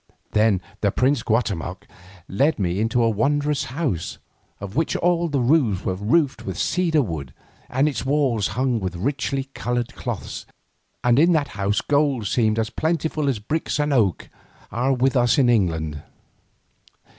Then the prince Guatemoc led me into a wondrous house, of which all the rooms were roofed with cedar wood, and its walls hung with richly coloured cloths, and in that house gold seemed as plentiful as bricks and oak are with us in England.